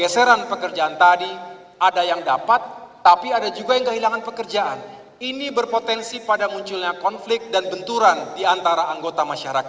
sedangkan yang ketiga